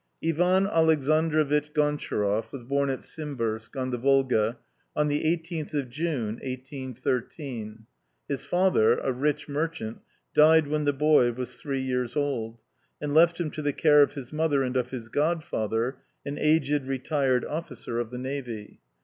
Ivan Alexandrovitch Gontcharoff was born at Simbirsk, on the Volga, on the 18th of June,' 1813. His father, a rich merchant, died when the boy was three years old, and left him to the care of his mother and of his godfather, an aged retired officer of the navy.